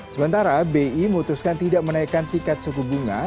sementara bi memutuskan tidak menaikkan tiket suku bunga